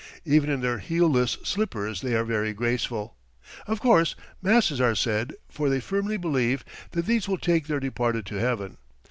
Even in their heel less slippers they are very graceful. Of course masses are said, for they firmly believe that these will take their departed to heaven.